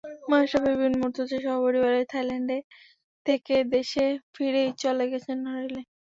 মাশরাফি বিন মুর্তজা সপরিবারে থাইল্যান্ডে থেকে দেশে ফিরেই চলে গেছেন নড়াইলে।